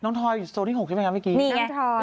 น้องทอยโซนที่หกใช่ไหมครับเมื่อกี้นี่ไงน้องทอย